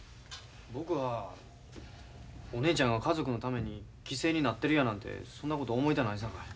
・僕はお姉ちゃんが家族のために犠牲になってるやなんてそんなこと思いたないさかい。